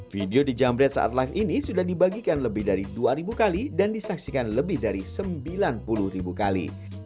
video dijamret saat live ini sudah dibagikan lebih dari dua ribu kali dan disaksikan lebih dari sembilan puluh ribu kali